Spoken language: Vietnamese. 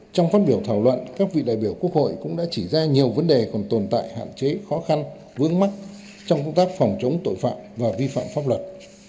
trong phát biểu thảo luận các vị đại biểu quốc hội cũng đã chỉ ra nhiều vấn đề còn tồn tại hạn chế khó khăn vướng mắt trong công tác phòng chống tội phạm và vi phạm pháp luật